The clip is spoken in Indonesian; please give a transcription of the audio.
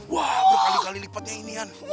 wah berkali kali lipatnya ini an